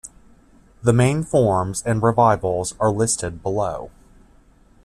The main forms and revivals are listed below.